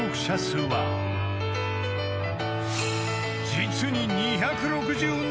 ［実に］